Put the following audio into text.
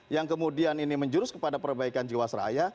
yang kemudian ini menjurus kepada perbaikan jiwa seraya